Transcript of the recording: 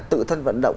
tự thân vận động